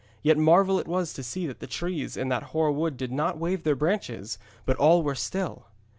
Yet marvel it was to see that the trees in that hoar wood did not wave their branches, but all were still.